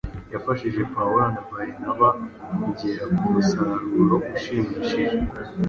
yafashije Pawulo na Barinaba kugera ku musaruro ushimishije